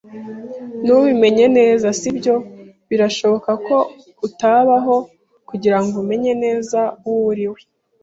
“Ntubimenye neza, si byo! Birashoboka ko utabaho kugirango umenye neza uwo uriwe